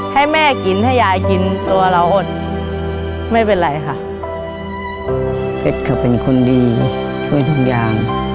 ให้แม่กินให้ยายกินตัวเราอดไม่เป็นไรค่ะ